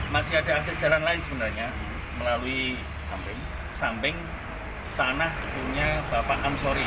masih ada akses jalan lain sebenarnya melalui samping tanah punya bapak amsori